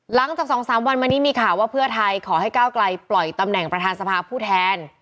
หลังจาก๒๓วันมานี้มีข่าวว่าเพื่อไทยขอให้ก้าวไกลปล่อยตำแหน่งประธานสภาผู้แทน